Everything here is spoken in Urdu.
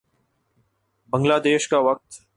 بنگلہ دیش کا وقت